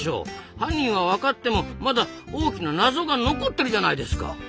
犯人はわかってもまだ大きな謎が残ってるじゃないですか。